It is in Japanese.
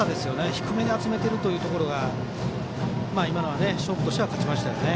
低めに集めているところが今のは勝負としては勝ちましたね。